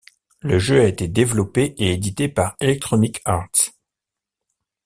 Le jeu a été développé et édité par Electronic Arts.